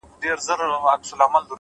علم د بریا لاره ده.!